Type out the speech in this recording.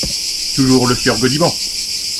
Toujours le sieur Gaudiband !